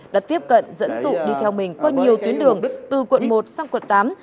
đã tiếp cận dẫn dụ đi theo mình qua nhiều tuyến đường từ quận một sang quận tám